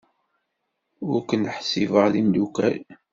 Ur ken-ḥsibeɣ d imeddukal.